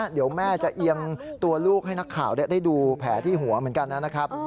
เดี๋ยวแม่จะเอียงตัวลูกให้นักข่าวได้ดูแผลที่หัวเหมือนกันนะครับ